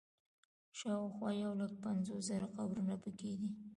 شاوخوا یو لک پنځوس زره قبرونه په کې دي.